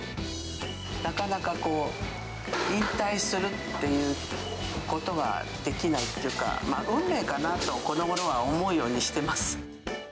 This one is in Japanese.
なかなか引退するっていうことができないっていうか、運命かなと、このごろは思うようにしてます。